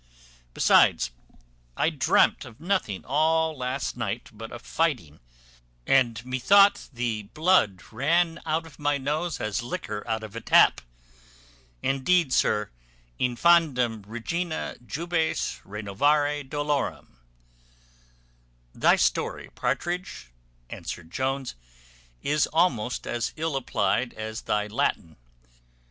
besides, I dreamt of nothing all last night but of fighting; and methought the blood ran out of my nose, as liquor out of a tap. Indeed, sir, infandum, regina, jubes renovare dolorem." "Thy story, Partridge," answered Jones, "is almost as ill applied as thy Latin.